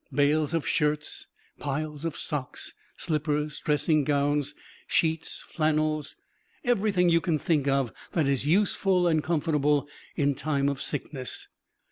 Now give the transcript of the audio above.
Bales of shirts, piles of socks, slippers, dressing gowns, sheets, flannels everything you can think of that is useful and comfortable in time of sickness.